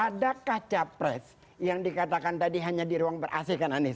ada kaca pres yang dikatakan tadi hanya di ruang berasih kan anies